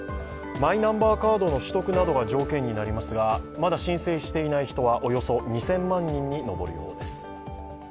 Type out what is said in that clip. マイナンバーカードの取得などが条件になりますが、まだ申請していない人はおよそ２０００万人に上るそうです。